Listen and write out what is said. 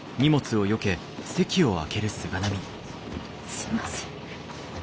すいません。